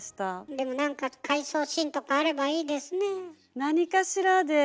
でも何か回想シーンとかあればいいですねえ。